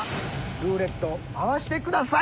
ルーレット回してください！